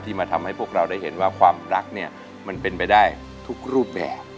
มาทำให้พวกเราได้เห็นว่าความรักเนี่ยมันเป็นไปได้ทุกรูปแบบ